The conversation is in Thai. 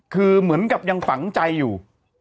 คือเหมือนกับยังฝังใจอยู่